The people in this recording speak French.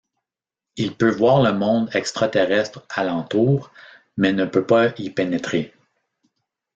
Il peut voir le monde extraterrestre alentour, mais ne peut pas y pénétrer.